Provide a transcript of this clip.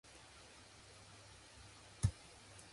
Ushers in the nearly empty stadium began to clap.